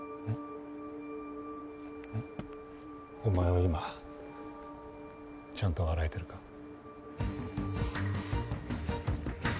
お前は今ちゃんと笑えてるか？